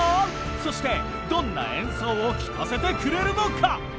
そしてどんな演奏を聞かせてくれるのか？